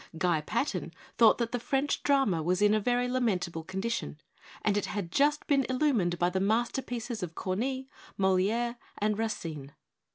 Guy Patin thought that the French drama was in a very lamentable condition; and it had just been illu mined by the masterpieces of Corneille, Moliere and Racine.